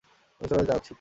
আমি সৈন্যদের জানাচ্ছি।